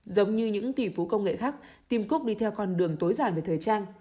giống như những tỷ phú công nghệ khác tìm cúc đi theo con đường tối giản về thời trang